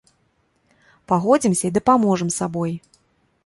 Пагодзімся і дапаможам сабой.